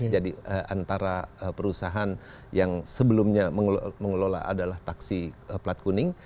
jadi antara perusahaan yang sebelumnya mengelola adalah taksi plat kuning